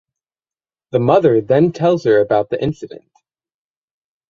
The mother then tells her about the incident.